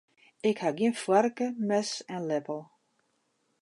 Ik ha gjin foarke, mes en leppel.